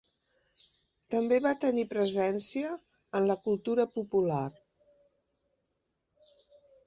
També va tenir presència en la cultura popular.